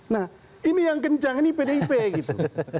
nah ini yang kencang ini pdip gitu